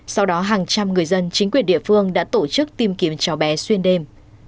sau đó hàng trăm người dân chính quyền địa phương đã tổ chức tìm kiếm cháu bé xuyên đêm